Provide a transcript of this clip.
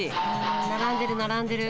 並んでる並んでる。